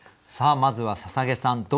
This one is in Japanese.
さあまずは捧さん